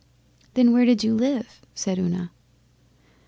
'Then where did you live?' said Una.